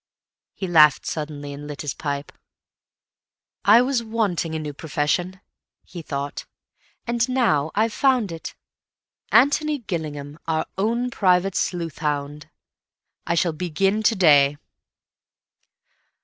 He laughed suddenly, and lit his pipe. "I was wanting a new profession," he thought, "and now I've found it. Antony Gillingham, our own private sleuthhound. I shall begin to day."